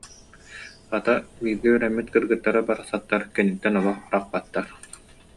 Хата, бииргэ үөрэммит кыргыттара барахсаттар киниттэн олох арахпаттар